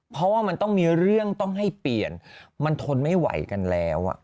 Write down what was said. เพราะว่ามันต้องมีเรื่องต้องให้เปลี่ยนมันทนไม่ไหวกันแล้ว